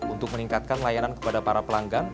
untuk meningkatkan layanan kepada para pelanggan